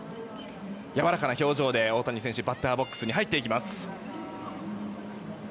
やわらかな表情で大谷選手バッターボックスに入っていきます。